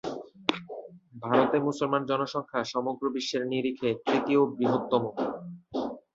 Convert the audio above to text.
ভারতে মুসলমান জনসংখ্যা সমগ্র বিশ্বের নিরিখে তৃতীয় বৃহত্তম।